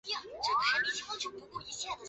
全员战死。